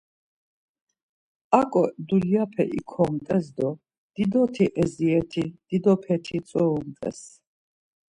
Aǩo dulyape ikomt̆es do didoti eziyet̆i didopeti ntzorumt̆es.